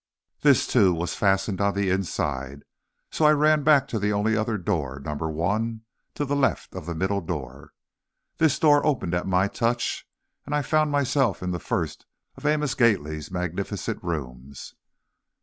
This, too, was fastened on the inside, so I ran back to the only other door, number one, to the left of the middle door. This door opened at my touch, and I found myself in the first of Amos Gately's magnificent rooms.